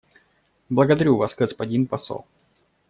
Благодарю Вас, господин посол.